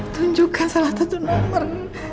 tunjukkan salah satu nomor